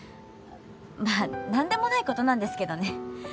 まあ何でもないことなんですけどね。